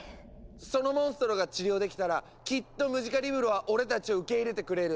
そのモンストロが治療できたらきっとムジカリブロは俺たちを受け入れてくれる。